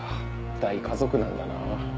大家族なんだな。